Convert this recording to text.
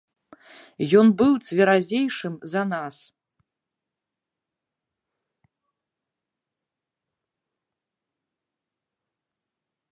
Ён быў цверазейшым за нас.